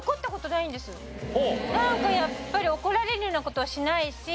なんかやっぱり怒られるような事はしないし。